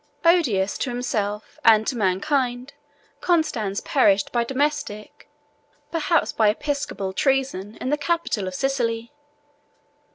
Odious to himself and to mankind, Constans perished by domestic, perhaps by episcopal, treason, in the capital of Sicily.